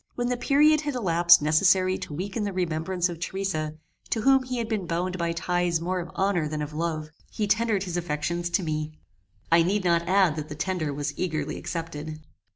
When the period had elapsed necessary to weaken the remembrance of Theresa, to whom he had been bound by ties more of honor than of love, he tendered his affections to me. I need not add that the tender was eagerly accepted.